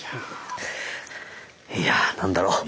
いやぁ何だろう。